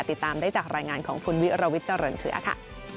ติดตามได้จากรายงานของคุณวิรวิทย์เจริญเชื้อค่ะ